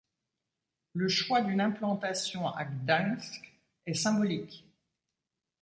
Le choix d'une implantation à Gdańsk est symbolique.